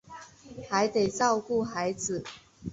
还得照顾孩子